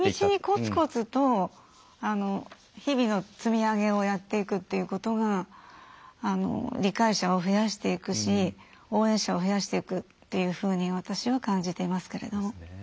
地道にこつこつと日々の積み上げをやっていくっていうことが理解者を増やしていくし応援者を増やしていくっていうふうに私は感じていますけれど。